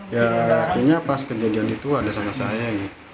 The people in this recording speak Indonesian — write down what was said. ya akhirnya pas kejadian itu ada sama saya